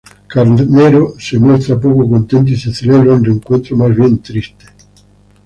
Carnero se muestra poco contento y se celebra un reencuentro más bien triste.